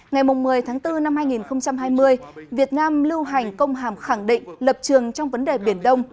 ngày một mươi tháng bốn năm hai nghìn hai mươi việt nam lưu hành công hàm khẳng định lập trường trong vấn đề biển đông